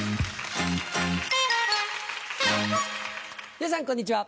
皆さんこんにちは。